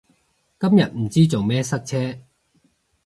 今日唔知做咩塞車